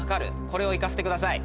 これを行かせてください。